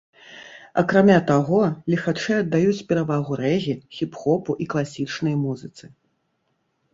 Акрамя таго, ліхачы аддаюць перавагу рэгі, хіп-хопу і класічнай музыцы.